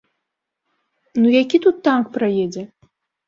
Ну які тут танк праедзе?